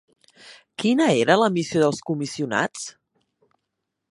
Quina era la missió dels comissionats?